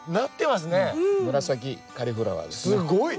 すごい！